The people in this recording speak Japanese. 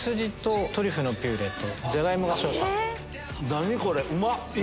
何これ⁉うまっ！